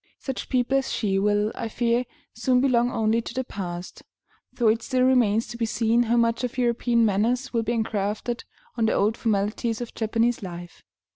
Such people as she will, I fear, soon belong only to the past, though it still remains to be seen how much of European manners will be engrafted on the old formalities of Japanese life.